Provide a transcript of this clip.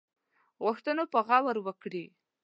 غوښتنو به غور وکړي.